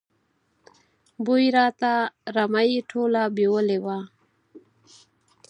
بوی راته، رمه یې ټوله بېولې وه.